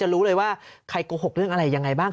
รู้เลยว่าใครโกหกเรื่องอะไรยังไงบ้าง